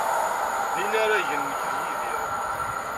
D inaragen nekk d Yidir.